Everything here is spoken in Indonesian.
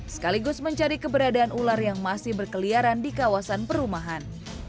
sekaligus mencari keberadaan ular yang masih berkeliaran di kawasan perumahan